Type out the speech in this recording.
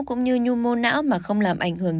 cũng như nhu mô não mà không làm ảnh hưởng